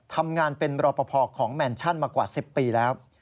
ทำงานเป็นรอปภของแมนชั่นมากว่า๑๐ปีแล้ว